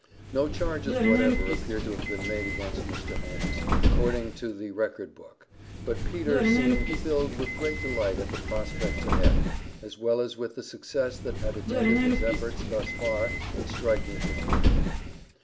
No charges whatever appear to have been made against Mr. Heines, according to the record book; but Peter seemed filled with great delight at the prospects ahead, as well as with the success that had attended his efforts thus far in striking for freedom.